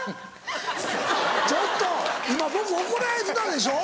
ちょっと今僕怒られてたでしょ？